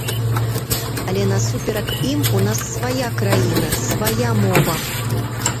Але насуперак ім у нас свая краіна, свая мова.